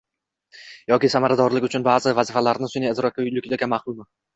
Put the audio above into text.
yoki samaradorlik uchun baʼzi vazifalarni sunʼiy idrokka yuklagan maqulmi?